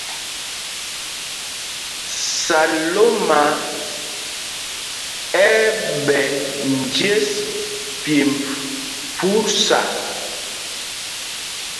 Salóma ɛ́ ɛ́ ɓɛ̄ njes pyêmb phúsa.